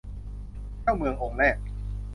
เจ้าเมืององค์แรก